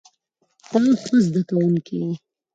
ته ښه زده کوونکی یې.